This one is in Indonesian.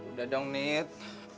udah dong nid